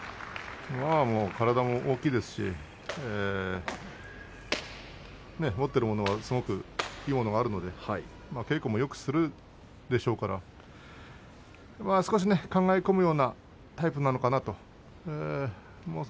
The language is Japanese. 体も大きいですし持っているものはすごくいいものがあるので稽古もよくするでしょうから少し考え込むようなタイプなのかなと。